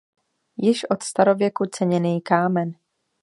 Již od starověku ceněný kámen.